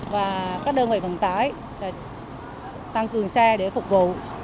và các đơn vị vận tải tăng cường xe để phục vụ